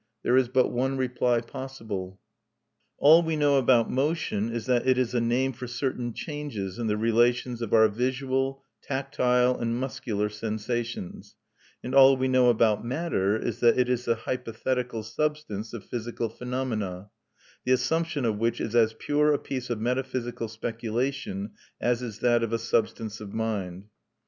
there is but one reply possible. All we know about motion is that it is a name for certain changes in the relations of our visual, tactile, and muscular sensations; and all we know about matter is that it is the hypothetical substance of physical phenomena, the assumption of which is as pure a piece of metaphysical speculation as is that of a substance of mind."